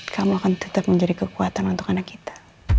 kamu akan tetap menjadi kekuatan untuk anak kita